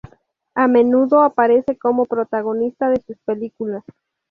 A menudo aparece como protagonista de sus películas.